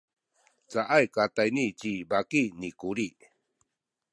caay katayni ci baki ni Kuli.